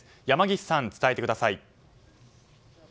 山岸さん、伝えてください。